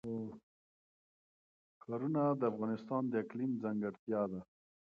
ښارونه د افغانستان د اقلیم ځانګړتیا ده.